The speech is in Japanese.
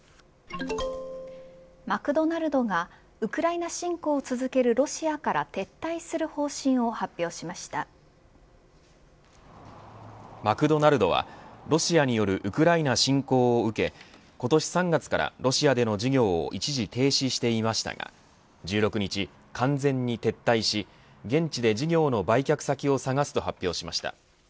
マクドナルドがウクライナ侵攻を続けるロシアから撤退する方針をマクドナルドはロシアによるウクライナ侵攻を受け今年３月からロシアでの事業を一時停止していましたが１６日完全に撤退し現地で事業の売却先を探すと発表しました。